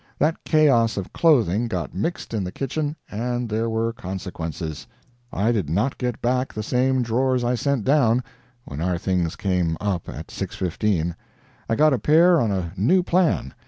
That chaos of clothing got mixed in the kitchen, and there were consequences. I did not get back the same drawers I sent down, when our things came up at six fifteen; I got a pair on a new plan.